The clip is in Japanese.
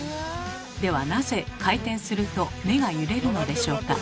ではなぜ回転すると目が揺れるのでしょうか？